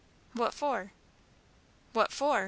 "What for?" "What for!